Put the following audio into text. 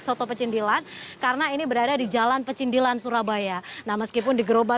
soto pecindilan karena ini berada di jalan pecindilan surabaya nah meskipun di geroba